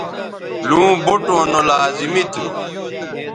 لوں بوٹوں نو لازمی تھو